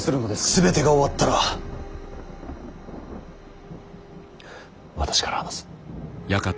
全てが終わったら私から話す。